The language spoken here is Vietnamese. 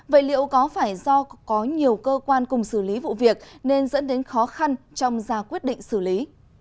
vậy liệu có phải do có nhiều cơ quan cùng xử lý vụ việc nên dẫn đến khó khăn trong ra quyết định xử lý